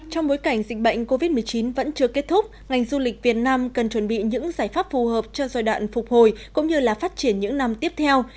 trong bối cảnh dịch bệnh covid một mươi chín vẫn chưa kết thúc ngành du lịch việt nam cần chuẩn bị những giải pháp phù hợp cho giai đoạn phục hồi cũng như là phát triển những năm tiếp theo